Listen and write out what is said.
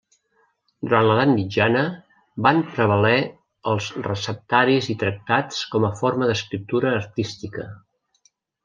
Durant l'edat mitjana van prevaler els receptaris i tractats com a forma d'escriptura artística.